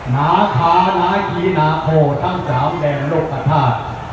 นาคานาฮีนาโฆทั้ง๓แม่นลูกอาทาส